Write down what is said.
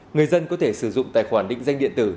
người dân có thể sử dụng tài khoản định danh điện tử